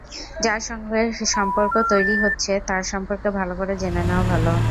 যার সঙ্গে সম্পর্ক তৈরি হচ্ছে, তার সম্পর্কে ভালো করে জেনে নেওয়া ভালো।